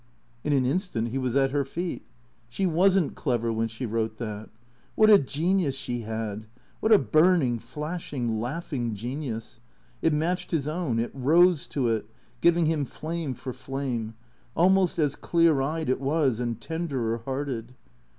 In an instant he was at her feet. She was n't clever when she wrote that. What a genius she had, what a burning, flashing, laughing genius. It matched his own; it rose to it, giving him flame for flame. Almost as clear eyed it was, and tenderer hearted.